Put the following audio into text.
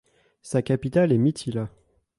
Sa capitale est Mithila.